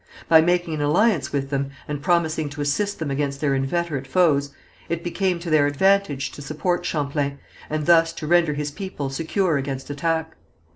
By making an alliance with them, and promising to assist them against their inveterate foes, it became to their advantage to support Champlain, and thus to render his people secure against attack.